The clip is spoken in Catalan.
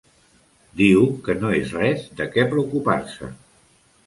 Diu que no és res de què preocupar-se.